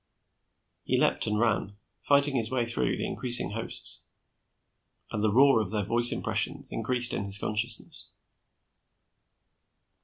He leaped and ran, fighting his way through the increasing hosts, and the roar of their voice impressions increased in his consciousness.